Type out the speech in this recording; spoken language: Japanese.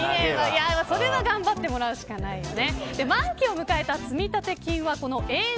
それは頑張ってもらうしかないよね。